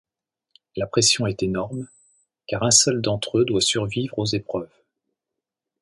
La pression est énorme, car un seul d’entre eux doit survivre aux épreuves.